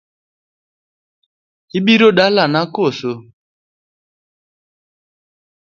Ibiro dalana koso?